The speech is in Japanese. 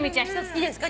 いいですか？